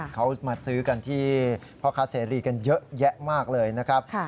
เขามาซื้อกันที่พ่อค้าเสรีกันเยอะแยะมากเลยนะครับ